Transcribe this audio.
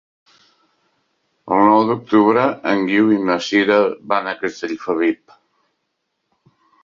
El nou d'octubre en Guiu i na Sira van a Castellfabib.